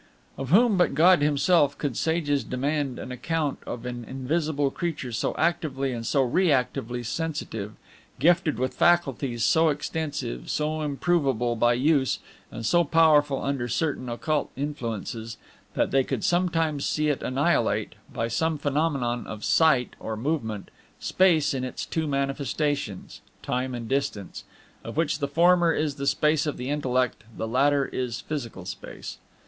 Of whom but of God Himself could sages demand an account of an invisible creature so actively and so reactively sensitive, gifted with faculties so extensive, so improvable by use, and so powerful under certain occult influences, that they could sometimes see it annihilate, by some phenomenon of sight or movement, space in its two manifestations Time and Distance of which the former is the space of the intellect, the latter is physical space?